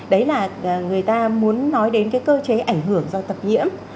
đấy là người ta muốn nói đến cái cơ chế ảnh hưởng do tập nhiễm